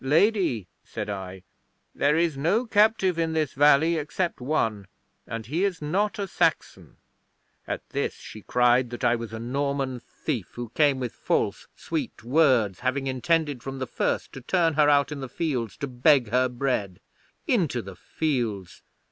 '"Lady," said I, "there is no captive in this valley except one, and he is not a Saxon." 'At this she cried that I was a Norman thief, who came with false, sweet words, having intended from the first to turn her out in the fields to beg her bread. Into the fields!